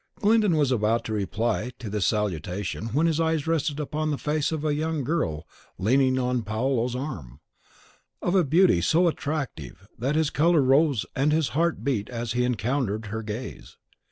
Glyndon was about to reply to this salutation, when his eyes rested upon the face of a young girl leaning on Paolo's arm, of a beauty so attractive that his colour rose and his heart beat as he encountered her gaze.